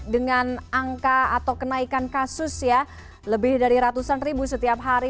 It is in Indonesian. dengan angka atau kenaikan kasus ya lebih dari ratusan ribu setiap hari